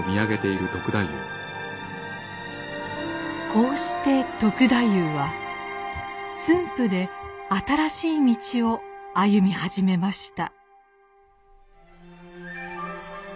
こうして篤太夫は駿府で新しい道を歩み始めました。